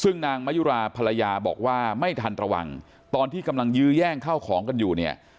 ซึ่งนางมะยุราภรรยาบอกว่าไม่ทันระวังตอนที่กำลังยื้อแย่งเข้าของกันอยู่เนี่ย